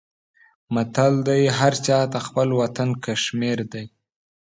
متل دی: هر چاته خپل وطن کشمیر دی.